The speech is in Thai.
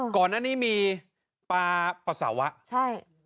ก่อนนั้นนี่มีปลาประสาวะใช่